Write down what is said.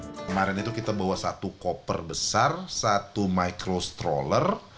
kemarin itu kita bawa satu koper besar satu micro stroller